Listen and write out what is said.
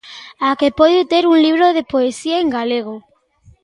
A que pode ter un libro de poesía en galego.